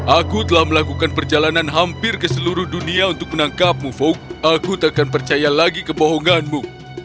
aku telah melakukan perjalanan hampir ke seluruh dunia untuk menangkapmu fok aku tak akan percaya lagi kebohonganmu